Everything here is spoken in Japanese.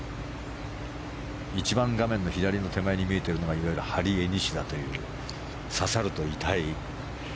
一番、画面手前の左に見えているのがいわゆるハリエニシダという刺さると痛い。